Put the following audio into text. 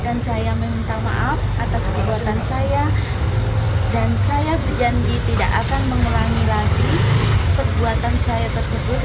saya meminta maaf atas perbuatan saya dan saya berjanji tidak akan mengulangi lagi perbuatan saya tersebut